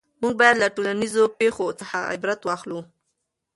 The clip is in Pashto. موږ باید له ټولنیزو پېښو څخه عبرت واخلو.